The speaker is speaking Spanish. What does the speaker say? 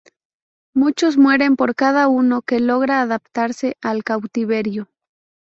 Muchos mueren por cada uno que logra adaptarse al cautiverio.